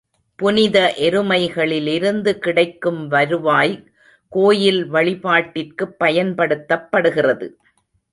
புனித எருமைகளிலிருந்து கிடைக்கும் வருவாய் கோயில் வழிபாட்டிற்குப் பயன்படுத்தப்படுகிறது.